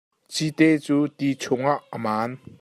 Cite cu ti chungah a maan.